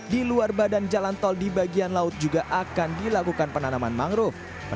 di luar badan jalan tol di bagian laut juga akan dilakukan penanaman mangrove